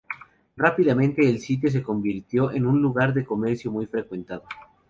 Rápidamente el sitio se convirtió en un lugar de comercio muy frecuentado.